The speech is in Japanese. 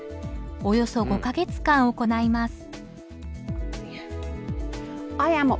およそ５か月間行います。